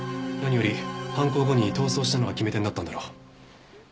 何より犯行後に逃走したのが決め手になったんだろう。